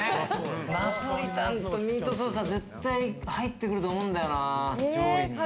ナポリタンとミートソースは絶対入ってくると思うんだよな。